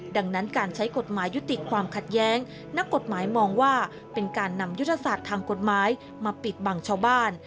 ดังนั้นการใช้กฎหมายยุติความขัดแย้งนักกฎหมายมองว่าเป็นการนำยุทธศาสตร์ทางกฎหมายมาปิดบังชาวบ้าน